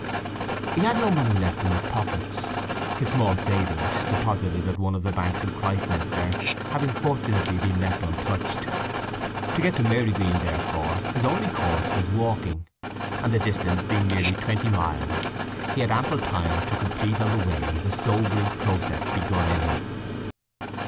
He had no money left in his pocket, his small savings, deposited at one of the banks in Christminster, having fortunately been left untouched. To get to Marygreen, therefore, his only course was walking; and the distance being nearly twenty miles, he had ample time to complete on the way the sobering process begun in him.